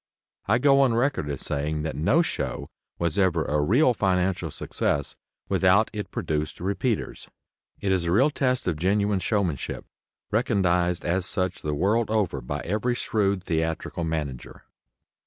I go on record as saying that no show was ever a real financial success without it produced "repeaters." It is a real test of genuine showmanship, recognized as such the world over by every shrewd theatrical manager.